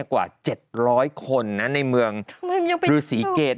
กว่า๗๐๐คนในเมืองหรือสีเกด